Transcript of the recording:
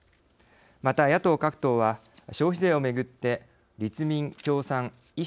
また野党各党は消費税をめぐって立民共産維新